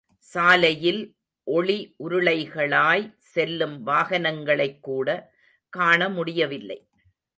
சாலையில் ஒளி உருளைகளாய் செல்லும் வாகனங்களைக்கூட காண முடியவில்லை.